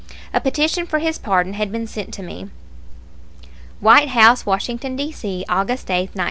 A petition for his pardon had been sent me. WHITE HOUSE, WASHINGTON, D. C., August 8, 1904.